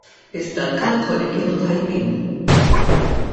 Iżda l-kalkoli kienu tajbin.